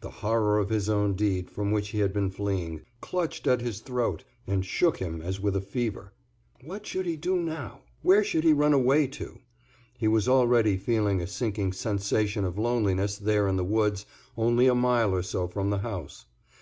The horror of his own deed, from which he had been fleeing, clutched at his throat and shook him as with a fever. What should he do now? Where should he run away to? He was already feeling a sinking sensation of loneliness, there in the woods, only a mile or so from the house.